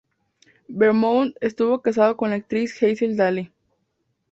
Beaumont estuvo casado con la actriz Hazel Daly.